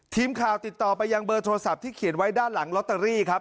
ทีมข่าวติดต่อไปยังเบอร์โทรศัพท์ที่เขียนไว้ด้านหลังลอตเตอรี่ครับ